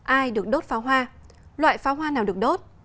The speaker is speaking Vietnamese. ai được đốt pháo hoa loại pháo hoa nào được đốt